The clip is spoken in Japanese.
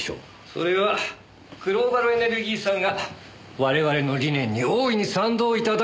それはグローバルエネルギーさんが我々の理念に大いに賛同頂いているからですよ。